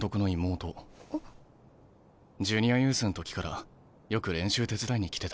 ジュニアユースん時からよく練習手伝いに来てた。